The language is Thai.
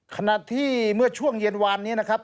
ขณะที่เมื่อช่วงเย็นวานนี้นะครับ